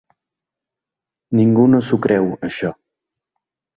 Ningú no s’ho creu, això.